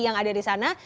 yang ada di sana